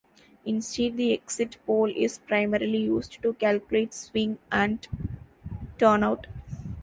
Instead, the exit poll is primarily used to calculate swing and turnout.